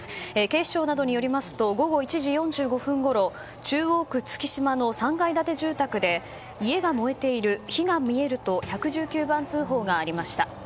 警視庁などによりますと午後１時４５分ごろ中央区月島の３階建て住宅で家が燃えている、火が見えると１１９番通報がありました。